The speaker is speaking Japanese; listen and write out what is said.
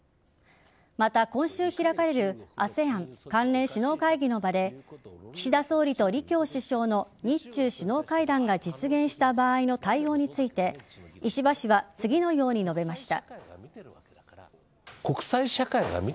また、今週開かれるＡＳＥＡＮ関連首脳会議の場で岸田総理と李強首相の日中首脳会談が実現した場合の対応について石破氏は次のように述べました。